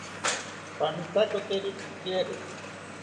Pamitakoteri pikero